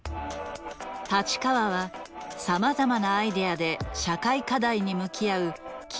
太刀川はさまざまなアイデアで社会課題に向き合う気鋭のデザイナー。